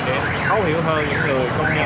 để thấu hiểu hơn những người công nhân thoát nước